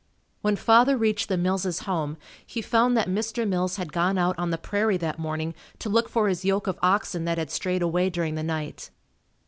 When father reached the Mills' home he found that Mr. Mills had gone out on the prairie that morning to look for his yoke of oxen that had strayed away during the night.